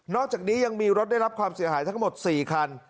อกจากนี้ยังมีรถได้รับความเสียหายทั้งหมด๔คัน